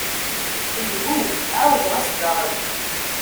Ayhuh, εawdeɣ-as daɣen!